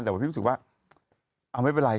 แต่ว่าพี่รู้สึกว่าเอาไม่เป็นไร